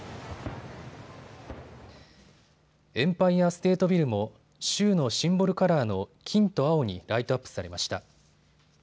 エンパイア・ステート・ビルも州のシンボルカラーの金と青にライトアップされました。